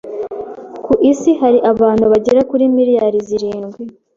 Ku isi hari abantu bagera kuri miliyari zirindwi.